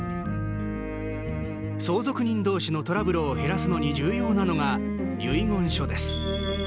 相続人同士のトラブルを減らすのに重要なのが遺言書です。